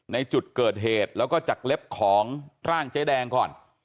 ในจุดเกิดเหตุแล้วก็จากเล็บของร่างเจ๊แดงก่อน